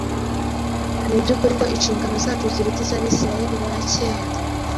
Ni iby’ukuri ko inshingano zacu ziruta iz’Abisirayeli ba kera.